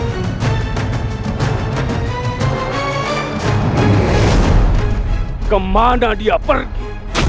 bagaimana dia pergi